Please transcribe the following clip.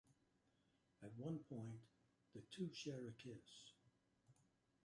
At one point, the two share a kiss.